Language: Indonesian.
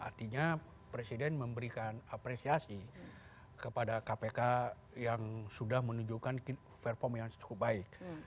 artinya presiden memberikan apresiasi kepada kpk yang sudah menunjukkan perform yang cukup baik